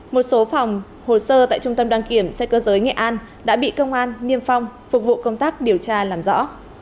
một số phòng hồ sơ tại trung tâm đăng kiểm xe cơ giới nghệ an đã bị công an niêm phong phục vụ công tác điều tra làm rõ